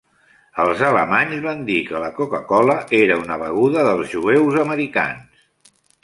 Els alemanys va dir que la coca-cola era una beguda dels "jueus americans".